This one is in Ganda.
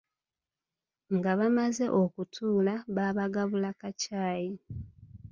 Nga bamaze okutuula, baabagabula ka caayi.